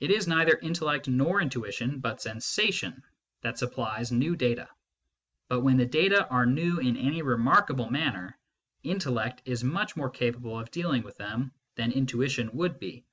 It is neither intellect nor intuition, but sensation, that supplies new data ; but when the data are new in any remarkable manner, intellect is much more capable of dealing with them than intuition would be.